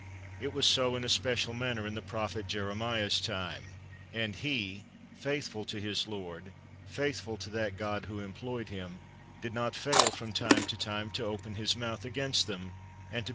It was so in a special manner in the prophet Jere miah's time; and he, faithful to his Lord, faith ful to that God who employed him, did not fail from time to time to open his mouth against them, and to bear a noble testimony to the honor 1 Abridged.